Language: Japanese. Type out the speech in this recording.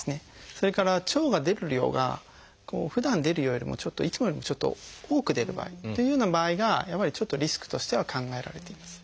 それから腸が出る量がふだん出るよりもいつもよりもちょっと多く出る場合というような場合がやっぱりちょっとリスクとしては考えられています。